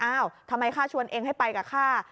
ทำไมข้าชวนเองให้ไปกับข้า